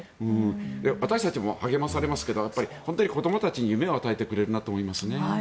私たちも励まされますが子どもたちに夢を与えてくれるなと思いますね。